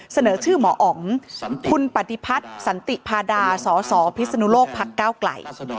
เสนอชื่อหมออ๋องคุณปฏิพัฒน์สันติพาดาสสพิศนุโลกพักก้าวไกล